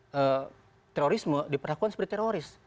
karena terorisme diperlakukan seperti teroris